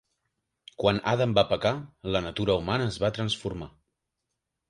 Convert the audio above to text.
Quan Adam va pecar, la natura humana es va transformar.